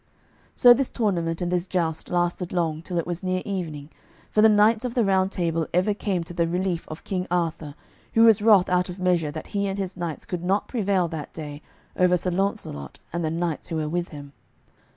So this tournament and this joust lasted long, till it was near evening, for the knights of the Round Table ever came to the relief of King Arthur, who was wroth out of measure that he and his knights could not prevail that day over Sir Launcelot and the knights who were with him.